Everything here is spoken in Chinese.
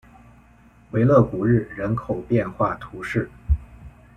维勒古日人口变化图示